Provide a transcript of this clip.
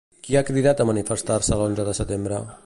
Qui ha cridat a manifestar-se l'Onze de Setembre?